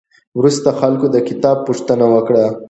وروسته خلکو د کتاب پوښتنه وکړه.